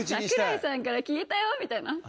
櫻井さんから聞いたよみたいな。